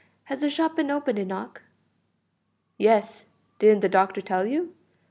Has the shop been opened, Enoch?" "Yes, didn't the doctor tell you?